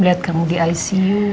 lihat kamu di ic